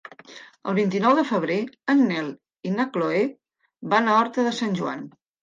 El vint-i-nou de febrer en Nel i na Chloé van a Horta de Sant Joan.